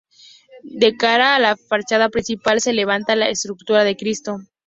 De cara a la fachada principal se levanta la escultura de Cristo.